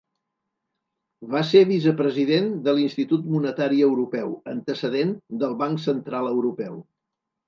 Va ser vicepresident de l'Institut Monetari Europeu, antecedent del Banc Central Europeu.